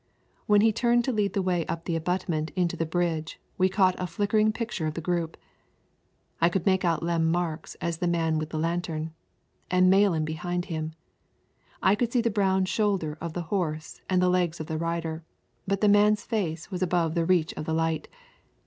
When he turned to lead the way up the abutment into the bridge, we caught a flickering picture of the group. I could make out Lem Marks as the man with the lantern, and Malan behind him, and I could see the brown shoulder of the horse and the legs of the rider, but the man's face was above the reach of the light.